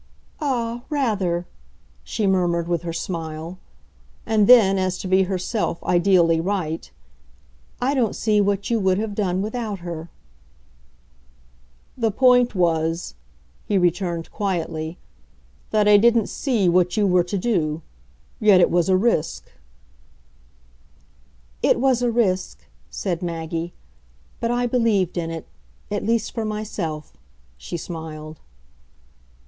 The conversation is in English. "Ah, rather!" she murmured with her smile. And then, as to be herself ideally right: "I don't see what you would have done without her." "The point was," he returned quietly, "that I didn't see what you were to do. Yet it was a risk." "It was a risk," said Maggie "but I believed in it. At least for myself!" she smiled.